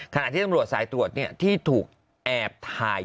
ขณะที่ตำรวจสายตรวจที่ถูกแอบถ่าย